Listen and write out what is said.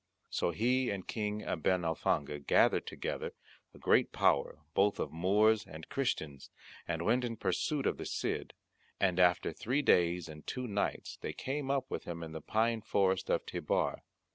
So he and King Abenalfange gathered together a great power both of Moors and Christians, and went in pursuit of the Cid, and after three days and two nights they came up with him in the pine forest of Tebar.